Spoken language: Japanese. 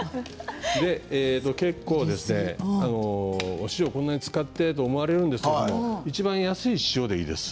お塩をこんなに使ってと思われるんですけれどいちばん安い塩でいいです。